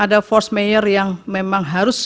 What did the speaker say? ada force mayor yang memang harus